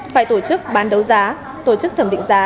phải tổ chức bán đấu giá tổ chức thẩm định giá